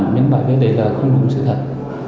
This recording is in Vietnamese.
những bài viết đấy là không đúng sự thật